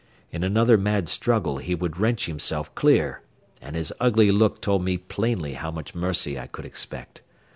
In another mad struggle he would wrench himself clear, and his ugly look told me plainly how much mercy I could expect.